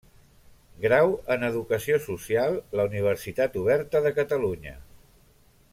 Grau en Educació Social la Universitat Oberta de Catalunya.